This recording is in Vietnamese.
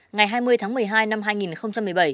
ngày hai mươi tháng một mươi hai năm hai nghìn một mươi bảy